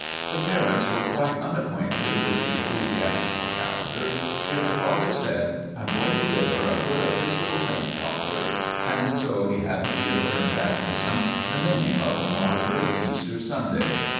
The parents were quite unacquainted with the ecclesiastical calendar, yet the father said: "I'm going to give her a good Episcopal name, Doctor," and so he had me give her in baptism the name of "Margaret Easter Sunday."